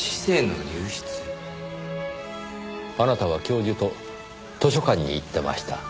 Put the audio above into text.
あなたは教授と図書館に行ってました。